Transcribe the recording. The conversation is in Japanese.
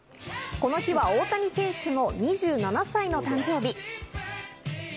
この日は大谷選手の２７歳の誕生日。